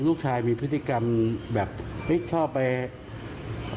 ก็อยากจะทำงานก็มาทำกับแม่อยู่เหมือนกันเลย